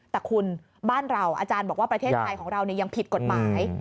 แต่คุณบ้านเราอาจารย์บอกว่าประเทศไทยของเรายังผิดกฎหมาย